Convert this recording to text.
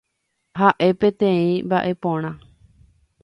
Ha'e peteĩ mba'eporã.